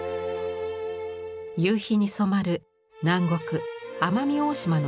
夕日に染まる南国奄美大島の海辺です。